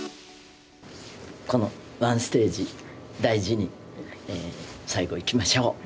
このワンステージ、大事に最後いきましょう。